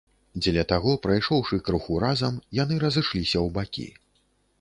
Дзеля таго, прайшоўшы крыху разам, яны разышліся ў бакі.